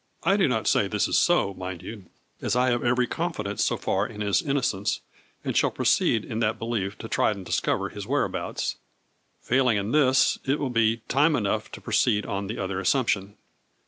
I do not say this is so, mind you, as I have every confidence so far in his innocenen and shall proceed in that belief to try and dis cover his whereabouts. Failing in this, it will be time enough to proceed on the other as sumption."